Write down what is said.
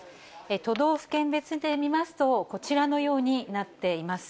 都道府県別で見ますと、こちらのようになっています。